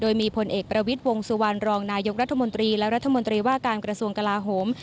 โดยมีผลเอกประวิทย์วงสุวรรณรองนายกรัฐมนตรีและรัฐมนตรีว่าการกระทรวงกลาโหม